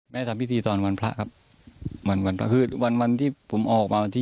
ทำพิธีตอนวันพระครับวันวันพระคือวันวันที่ผมออกมาวันที่